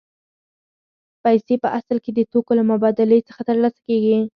پیسې په اصل کې د توکو له مبادلې څخه ترلاسه کېږي